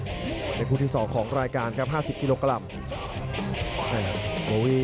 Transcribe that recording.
พาท่านผู้ชมกลับติดตามความมันกันต่อครับ